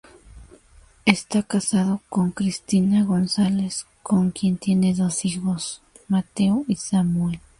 Esta casado con Cristina González, con quien tiene dos hijos, Mateo y Samuel.